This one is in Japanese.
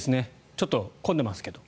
ちょっと混んでますけど。